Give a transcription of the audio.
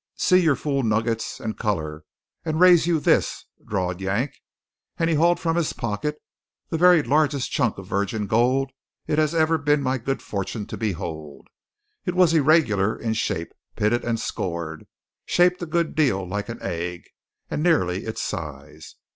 "See your fool nuggets and 'colour,' and raise you this," drawled Yank, and he hauled from his pocket the very largest chunk of virgin gold it has ever been my good fortune to behold. It was irregular in shape, pitted and scored, shaped a good deal like an egg, and nearly its size.